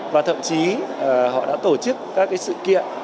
và thậm chí họ đã tổ chức các sự kiện